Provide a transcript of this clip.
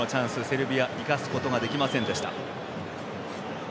セルビア生かすことができませんでした。